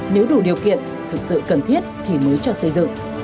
nếu đủ điều kiện thực sự cần thiết thì mới cho xây dựng